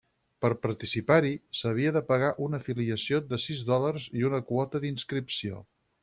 Per participar-hi s'havia de pagar una afiliació de sis dòlars i una quota d'inscripció.